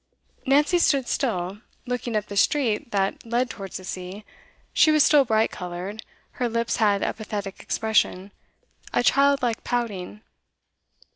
Nancy stood still, looking up the street that led towards the sea. She was still bright coloured; her lips had a pathetic expression, a child like pouting.